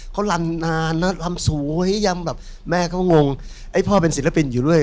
เขารันนานแล้วรำสวยยำแบบแม่เขางงไอ้พ่อเป็นศิลปินอยู่เรื่อย